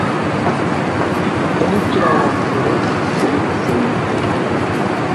تونۇش چىرايلارنى كۆرۈپ دىلىم سۆيۈنۈپ كەتتى.